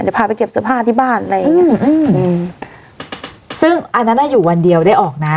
เดี๋ยวพาไปเก็บเสื้อผ้าที่บ้านอะไรอย่างเงี้ยอืมอืมซึ่งอันนั้นอ่ะอยู่วันเดียวได้ออกนะ